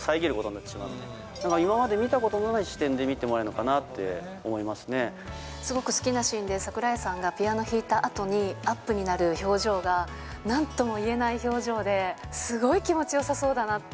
なんか今まで見たことないような視点で見てもらえるのかなって思すごく好きなシーンで、櫻井さんがピアノ弾いたあとに、アップになる表情が、なんとも言えない表情で、すごい気持ちよさそうだなって。